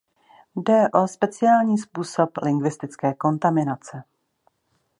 Jde o speciální způsob lingvistické kontaminace.